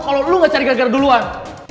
kalo lo gak cari gara gara duluan